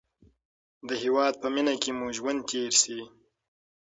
د هېواد په مینه کې مو ژوند تېر شي.